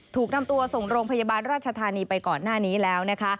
ถูกนำตัวส่งโรงพยาบาลราชธานีไปก่อนหน้านี้แล้วนะคะ